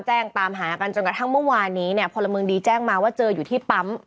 นั่งเหลืออย่างนั้นน่ะแล้วเขาก็ส่งตัวไปที่